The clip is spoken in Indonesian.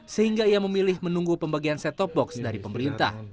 sehingga ia memilih menunggu pembagian set top box dari pemerintah